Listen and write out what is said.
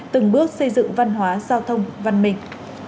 từng bước xây dựng văn hóa giao thông văn minh